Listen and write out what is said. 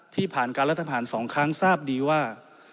ผ่านการรัฐผ่าน๒ครั้งทราบดีว่า